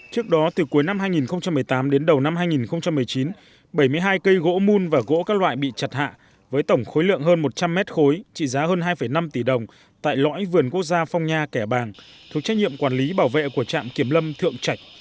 trước đó từ cuối năm hai nghìn một mươi tám đến đầu năm hai nghìn một mươi chín bảy mươi hai cây gỗ mùn và gỗ các loại bị chặt hạ với tổng khối lượng hơn một trăm linh mét khối trị giá hơn hai năm tỷ đồng tại lõi vườn quốc gia phong nha kẻ bàng thuộc trách nhiệm quản lý bảo vệ của trạm kiểm lâm thượng trạch